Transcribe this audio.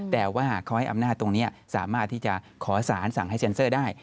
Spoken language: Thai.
แต่ว่าหากเขาให้อำนาจตรงนี้สามารถที่จะขอสารสั่งให้เซ็นเซอร์ได้